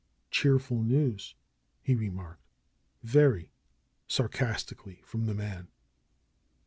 "Cheerful news," he remarked. "Very!" sarcastically from the man.